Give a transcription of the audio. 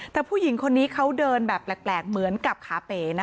แต่ผู้หญิงคนนี้เขาเดินแบบแปลกเหมือนกับขาเป๋นะ